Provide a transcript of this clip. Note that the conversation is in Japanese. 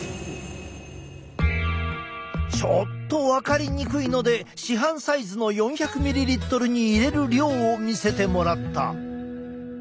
ちょっと分かりにくいので市販サイズの４００ミリリットルに入れる量を見せてもらった。